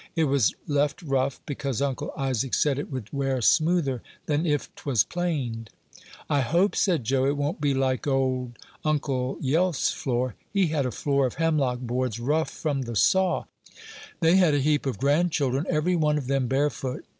It was left rough, because Uncle Isaac said it would wear smoother than if 'twas planed. "I hope," said Joe, "it won't be like old Uncle Yelf's floor. He had a floor of hemlock boards, rough from the saw; they had a heap of grandchildren, every one of them barefoot.